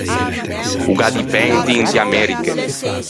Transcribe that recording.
O gh’à di pænti inte Americhe.